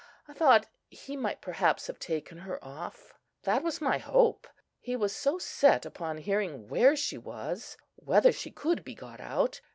I thought he might perhaps have taken her off—that was my hope. He was so set upon hearing where she was, whether she could be got out.